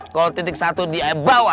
kalau titik satu di bawah